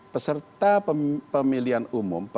peserta pemilihan umum